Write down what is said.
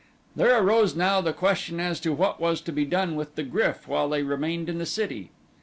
There arose now the question as to what was to be done with the GRYF while they remained in the city.